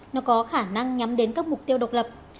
nó có khả năng nhắm đến các mục tiêu độc lập